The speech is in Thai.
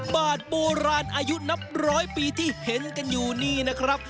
บาทโบราณอายุนับร้อยปีที่เห็นกันอยู่นี่นะครับ